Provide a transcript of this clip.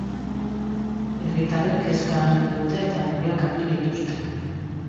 Herritarrek kezka agertu dute, eta neurriak hartu dituzte.